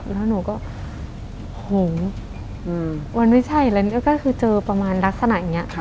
แล้วหนูก็หงมันไม่ใช่แล้วนี่ก็คือเจอประมาณลักษณะอย่างนี้